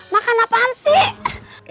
makan apaan sih